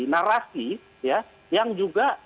narasi yang juga